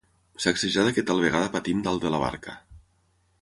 Sacsejada que tal vegada patim dalt de la barca.